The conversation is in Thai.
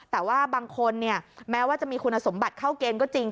แต่ว่าบางคนแม้ว่าจะมีคุณสมบัติเข้าเกณฑ์ก็จริง